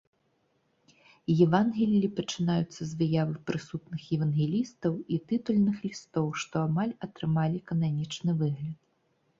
Евангеллі пачынаюцца з выявы прысутных евангелістаў і тытульных лістоў, што атрымалі амаль кананічны выгляд.